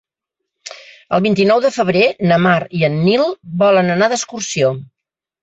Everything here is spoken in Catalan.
El vint-i-nou de febrer na Mar i en Nil volen anar d'excursió.